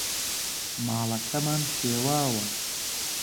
ماڵەکەمان شێواوە.